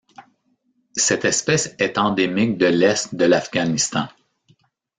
Cette espèce est endémique de l'Est de l'Afghanistan.